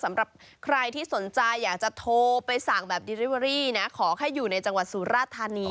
สำหรับใครที่สนใจอยากจะโทรไปสั่งแบบดิริเวอรี่นะขอให้อยู่ในจังหวัดสุราธานี